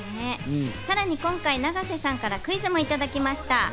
さらに今回、永瀬さんからクイズもいただきました。